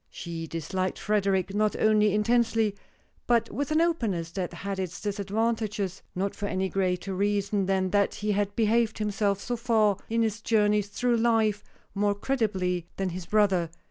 She disliked Frederic, not only intensely, but with an openness that had its disadvantages not for any greater reason than that he had behaved himself so far in his journey through life more creditably than his brother.